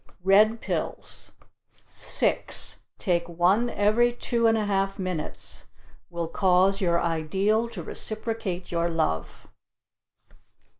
Red pills six, take one every two and a half minutes. Will cause your ideal to reciprocate your love.